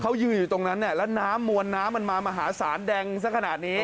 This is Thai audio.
เขายืนอยู่ตรงนั้นเนี่ยแล้วน้ำมวลน้ำมันมามหาศาลแดงสักขนาดนี้